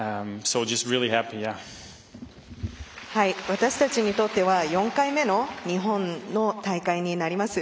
私たちにとっては４回目の日本の大会になります。